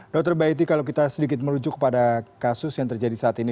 dr baiti kalau kita sedikit merujuk pada kasus yang terjadi saat ini